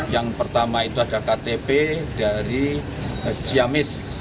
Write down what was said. yang pertama itu ada ktp dari ciamis